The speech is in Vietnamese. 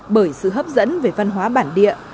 bởi sự hấp dẫn về văn hóa bản địa